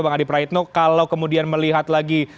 bang adi praitno kalau kemudian melihat lagi